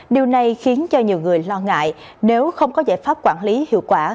điều này khiến cho nhiều người lo ngại nếu không có giải pháp quản lý hiệu quả